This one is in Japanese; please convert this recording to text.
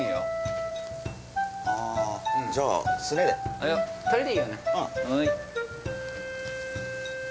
はい。